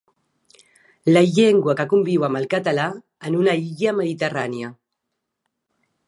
La llengua que conviu amb el català en una illa meditarrània.